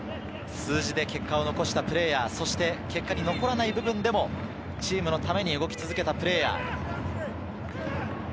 数字で結果を残したプレーヤー、そして結果に残らない部分でもチームのために動き続けたプレーヤー。